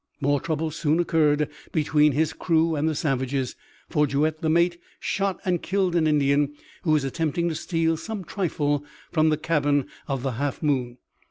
More trouble soon occurred between his crew and the savages, for Juet the mate shot and killed an Indian who was attempting to steal some trifle from the cabin of the Half Moon.